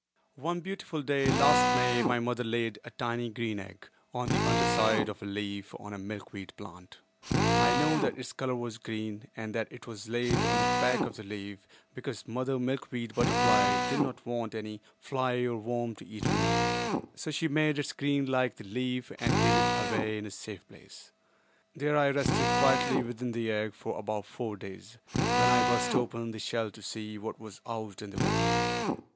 One beautiful day last May my mother laid a tiny green egg on the under side of a leaf on a milkweed plant. I know that its color was green and that it was laid on the back of the leaf because Mother Milkweed Butterfly did not want any fly or worm to eat me up, so she made its green like the leaf and hid it away in a safe place. There I rested quietly within the egg for about four days, when I burst open the shell to see what was out in the world.